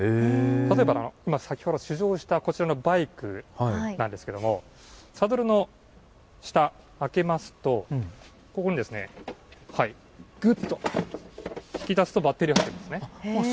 例えば、今、先ほど試乗したこちらのバイクなんですけども、サドルの下、開けますと、ここに、ぐっと引き出すとバッテリーがあるんですね。